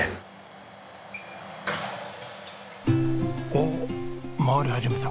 おっ回り始めた。